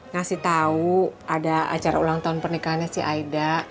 ngasih tahu ada acara ulang tahun pernikahannya si aida